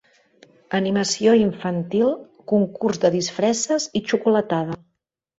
Animació infantil, concurs de disfresses i xocolatada.